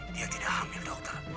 dia tidak hamil dokter